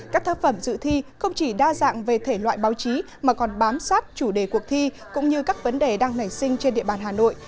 các tác phẩm dự thi không chỉ đa dạng về thể loại báo chí mà còn bám sát chủ đề cuộc thi cũng như các vấn đề đang nảy sinh trên địa bàn hà nội